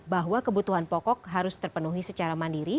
bahwa kebutuhan pokok harus terpenuhi secara mandiri